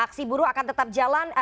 aksi buruh akan tetap jalan